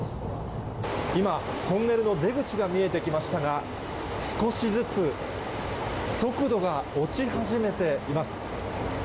今、トンネルの出口が見えてきましたが、少しずつ速度が落ち始めています。